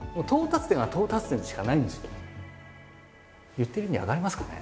言ってる意味分かりますかね。